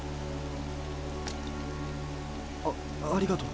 あっありがとう。